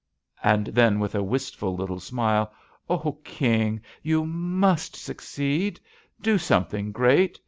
And then, with a wistful little smile, "Oh, King, you must succeed I Da something great!